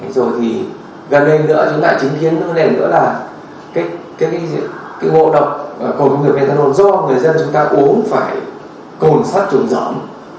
rồi thì gần lên nữa chúng ta đã chứng kiến gần lên nữa là cái ngộ độc của công thức methanol do người dân chúng ta uống phải cồn sắt trùng rõm